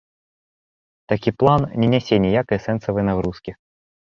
Такі план не нясе ніякай сэнсавай нагрузкі.